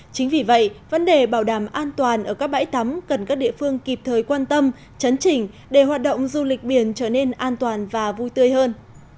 chính vì vậy vấn đề bảo đảm an toàn ở các bãi tắm cần các địa phương kịp thời quan tâm chấn chỉnh để hoạt động du lịch biển trở nên an toàn và vui tươi hơn